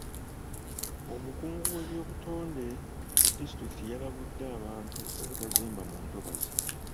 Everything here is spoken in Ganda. Omukungu weebyobitonde ku disitulikiti yalabudde abantu obutazimba mu ntobazi.